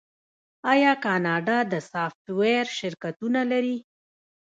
آیا کاناډا د سافټویر شرکتونه نلري؟